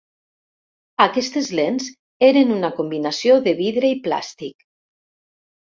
Aquestes lents eren una combinació de vidre i plàstic.